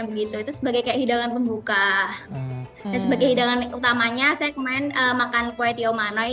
begitu itu sebagai kayak hidangan pembuka dan sebagai hidangan utamanya saya kemarin makan kue tiomanoi